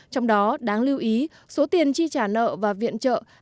trong đó đáng lưu ý số tiền chi trả nợ và viện trợ